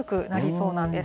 そうなんです。